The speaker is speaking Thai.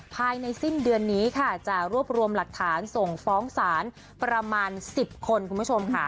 ภายในสิ้นเดือนนี้ค่ะจะรวบรวมหลักฐานส่งฟ้องศาลประมาณ๑๐คนคุณผู้ชมค่ะ